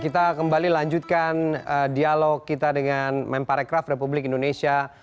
kita kembali lanjutkan dialog kita dengan memparecraf republik indonesia